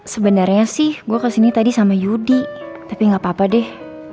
sebenarnya sih gue kesini tadi sama yudi tapi gak apa apa deh